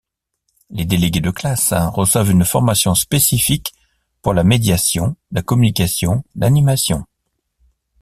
Les délégués de classe reçoivent une formation spécifique pour la médiation, la communication, l'animation.